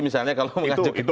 itu masing masing strategi